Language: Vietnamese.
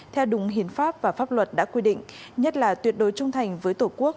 theo đúng hiến pháp và pháp luật đã quy định nhất là tuyệt đối trung thành với tổ quốc